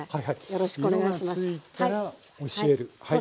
よろしくお願いします。